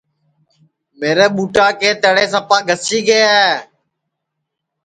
میرے ٻوٹا کے تݪے سپا گھسی گے ہے